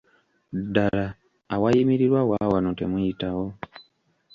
Ddala awayimirirwa waawano temuyitawo.